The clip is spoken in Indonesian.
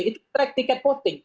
itu track ticketnya